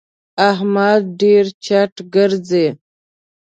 احمد ډېر چټ ګرځي.